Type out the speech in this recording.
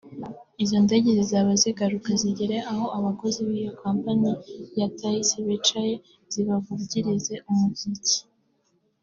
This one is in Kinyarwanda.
Izo ndege zizaba ziguruka zigere aho abakozi b’iyo kompanyi ya Taisei bicaye zibavugirize umuziki